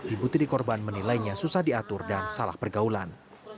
ibu tiri korban menilainya susah diatur dan salah pergaulan